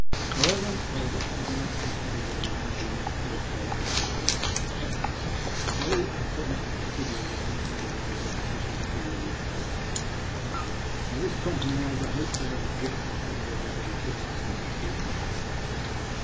However, I was not going to make Miss Mayboume unhappy on the first day of her convalescence, so I promised to consider the matter, and to let her know my decision before we reached Cape Town. By this compromise I hoped to be able to hit upon some way out of the difficulty before then.